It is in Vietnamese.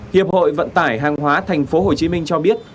hiệp hội vận tải hàng hóa thành phố hồ chí minh cho biết